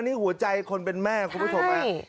นี่หัวใจคนเป็นแม่คุณผู้ชม